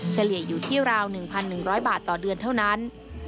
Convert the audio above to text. เฉลี่ยอยู่ที่ราว๑๑๐๐บาทต่อเดือนเท่านั้น